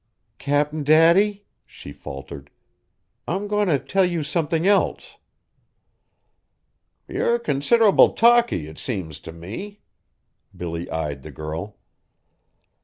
"Cap'n Daddy," she faltered, "I'm going to tell you something else." "Yer considerable talky, it seems t' me." Billy eyed the girl.